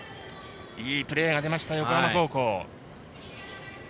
いいプレーが出ました横浜高校。